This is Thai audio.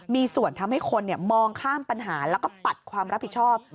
มีส่วนทำให้คนมองข้ามปัญหาแล้วก็ปัดความรับผิดชอบ